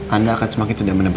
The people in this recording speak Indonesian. anda akan semakin tidak mendapatkan